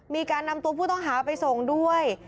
มีการนำตัวผู้ต้องหาไปส่งด้วย